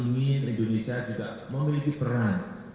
ingin indonesia juga memiliki peran